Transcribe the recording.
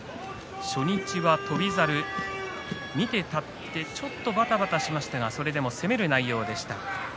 初日は翔猿見て立ってちょっとばたばたしましたがそれでも攻める内容でした。